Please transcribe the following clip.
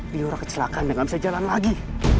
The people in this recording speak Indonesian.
biurah kecelakaan dan gak bisa jalan lagi